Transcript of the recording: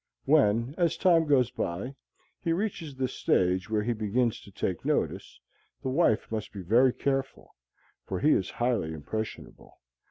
When, as time goes by, he reaches the stage where he begins to take notice, the wife must be very careful, for he is highly impressionable.